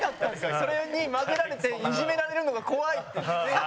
それに交ぜられていじめられるのが怖いんで。